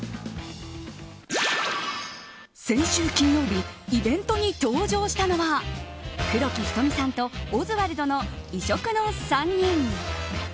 先週金曜日イベントに登場したのは黒木瞳さんとオズワルドの異色の３人。